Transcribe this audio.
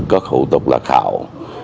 các hủ tục lạc hạo